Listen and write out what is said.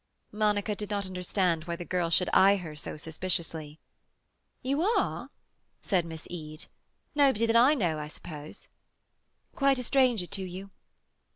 Monica did not understand why the girl should eye her so suspiciously. "You are?" said Miss Eade. "Nobody that I know, I suppose?" "Quite a stranger to you."